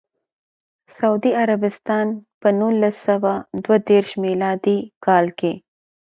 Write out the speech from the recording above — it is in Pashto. سعودي عربستان په نولس سوه دوه دیرش میلادي کال کې.